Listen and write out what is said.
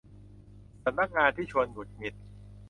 สำนักงานที่ชวนหงุดหงิด